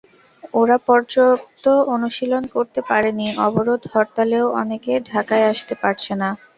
ওরা পর্যাপ্ত অনুশীলন করতে পারেনি, অবরোধ-হরতালেও অনেকে ঢাকায় আসতে পারছে না।